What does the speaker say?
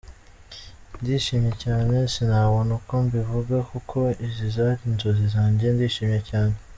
ndishimye cyane sinabona uko mbivuga kuko izi zari inzozi zanjye, ndishimye cyane.